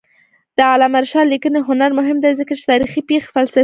د علامه رشاد لیکنی هنر مهم دی ځکه چې تاریخي پېښې فلسفي ګوري.